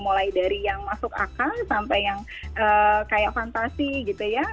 mulai dari yang masuk akal sampai yang kayak fantasi gitu ya